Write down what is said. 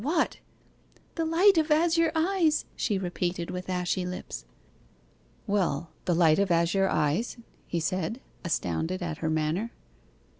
'What?' '"The light of azure eyes,"' she repeated with ashy lips. 'Well, "the light of azure eyes"?' he said, astounded at her manner.